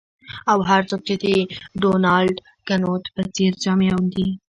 او هر څوک چې د ډونالډ کنوت په څیر جامې اغوندي